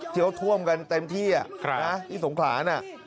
ที่เขาท่วมกันเต็มที่ที่สงขรานะ